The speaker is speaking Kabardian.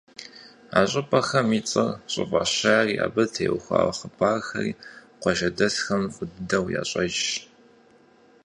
А щӀыпӀэхэм и цӀэр щӀыфӀащари, абы теухуа хъыбархэри къуажэдэсхэм фӀы дыдэу ящӀэж.